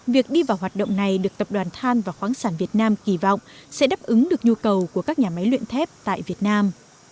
việc đi vào hoạt động này được tập đoàn than và khoáng sản việt nam kỳ vọng sẽ đáp ứng được nhu cầu của các nhà máy luyện thép tại việt nam